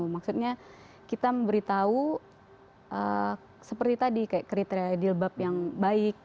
maksudnya kita memberitahu seperti tadi kriteria jilbab yang baik